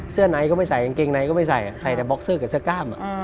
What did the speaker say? ในก็ไม่ใส่กางเกงในก็ไม่ใส่ใส่แต่บ็อกเซอร์กับเสื้อกล้าม